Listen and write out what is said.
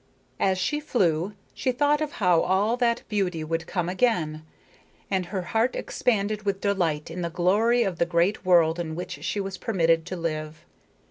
As she flew she thought of how all that beauty would come again, and her heart expanded with delight in the glory of the great world in which she was permitted to live.